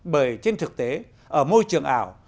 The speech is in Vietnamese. bởi trên thực tế ở môi trường ảo